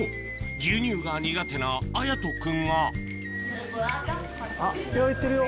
牛乳が苦手なあやとくんがいってるよ